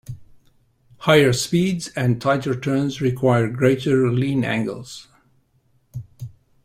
Higher speeds and tighter turns require greater lean angles.